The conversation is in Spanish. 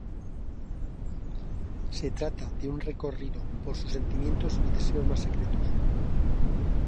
Se trata de un recorrido por sus sentimientos y deseos más secretos.